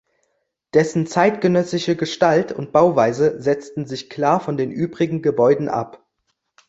Dessen zeitgenössische Gestalt und Bauweise setzen sich klar von den übrigen Gebäuden ab.